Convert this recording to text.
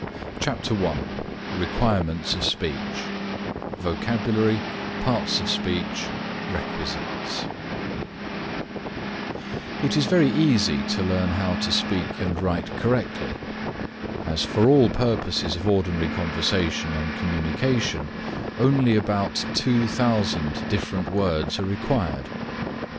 CHAPTER I REQUIREMENTS OF SPEECH Vocabulary Parts of Speech Requisites It is very easy to learn how to speak and write correctly, as for all purposes of ordinary conversation and communication, only about 2,000 different words are required.